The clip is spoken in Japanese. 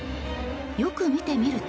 よく見てみると。